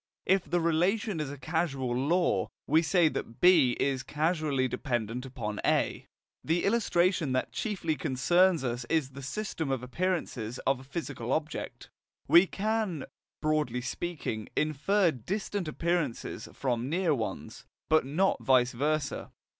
If the relation is a causal law, we say that B is causally dependent upon A. The illustration that chiefly concerns us is the system of appearances of a physical object. We can, broadly speaking, infer distant appearances from near ones, but not vice versa.